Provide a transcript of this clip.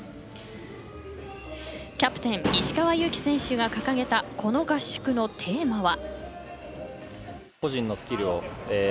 キャプテン、石川祐希選手が掲げたこの合宿のテーマは。